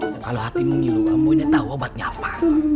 kalau hatimu ngilu amboi datang obatnya apa